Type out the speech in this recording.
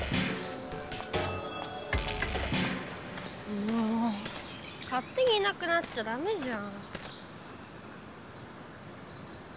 もう勝手にいなくなっちゃダメじゃん。